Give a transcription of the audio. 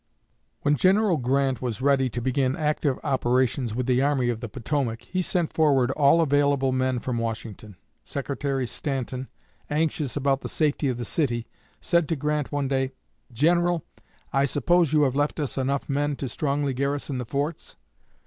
When General Grant was ready to begin active operations with the Army of the Potomac, he sent forward all available men from Washington. Secretary Stanton, anxious about the safety of the city, said to Grant one day: "General, I suppose you have left us enough men to strongly garrison the forts?"